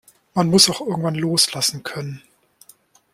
Man muss auch irgendwann loslassen können.